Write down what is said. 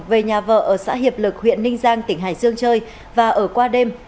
về nhà vợ ở xã hiệp lực huyện ninh giang tỉnh hải dương chơi và ở qua đêm